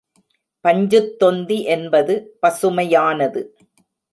பஞ்சுத்தொந்தி என்பது பசுமையானது.